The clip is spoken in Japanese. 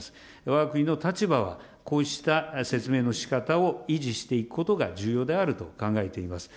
わが国の立場はこうした説明の仕方を維持していくことが重要であると考えています。